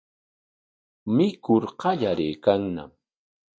Mikur qallariykanñam.